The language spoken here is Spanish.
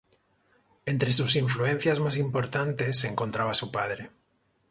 Entre sus influencias más importantes se encontraba su padre.